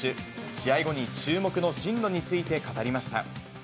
試合後に、注目の進路について語りました。